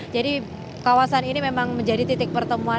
jadi kawasan ini memang menjadi titik pertemuan